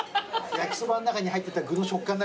焼きそばの中に入ってた具の食感だからさ。